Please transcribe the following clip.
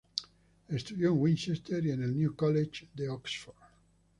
Estudió en Winchester y en el New College de Oxford.